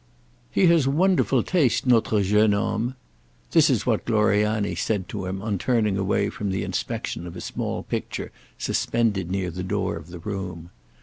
"He has wonderful taste, notre jeune homme": this was what Gloriani said to him on turning away from the inspection of a small picture suspended near the door of the room.